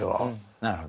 なるほど。